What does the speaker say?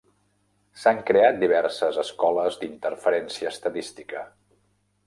S"han creat diverses escoles d"interferència estadística.